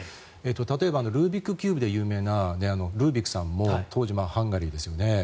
例えばルービックキューブで有名なルービックさんも当時、ハンガリーですよね。